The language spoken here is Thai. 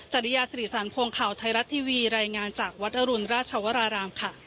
จริยาสิริสันพงศ์ข่าวไทยรัฐทีวีรายงานจากวัดอรุณราชวรารามค่ะ